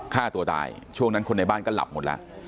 ฆ่าตัวตายช่วงนั้นคนในบ้านก็หลับหมดแล้ว